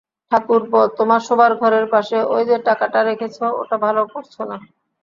ঠাকুরপো, তোমার শোবার ঘরের পাশে ঐ-যে টাকাটা রেখেছ ওটা ভালো করছ না।